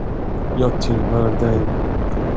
Jag tillhör dig!